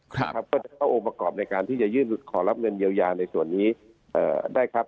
ก็จะเข้าองค์ประกอบในการที่จะยื่นขอรับเงินเยียวยาในส่วนนี้ได้ครับ